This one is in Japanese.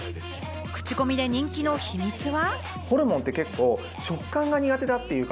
クチコミで人気の秘密は？